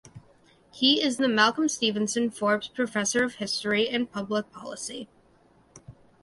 He is the Malcolm Stevenson Forbes Professor of History and Public Policy.